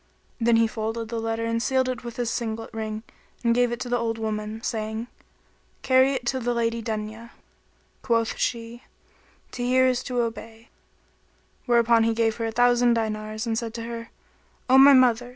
Then he folded the letter[FN#31] and sealed it with his signet ring and gave it to the old woman, saying, "Carry it to the Lady Dunya." Quoth she, "To hear is to obey;" whereupon he gave her a thousand dinars and said to her, "O my mother!